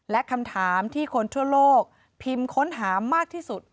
และคำถามที่คนทั่วโลกพิมพ์ค้นหามากที่สุด